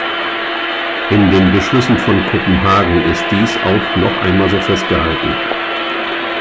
In den Beschlüssen von Kopenhagen ist dies auch noch einmal so festgehalten.